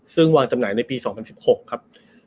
ซึ่งวางจำหน่ายในปี๒๐๑๖ครับ